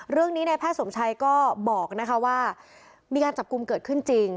ในแพทย์สมชัยก็บอกว่ามีการจับกลุ่มเกิดขึ้นจริง